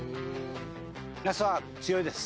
ナスは強いです。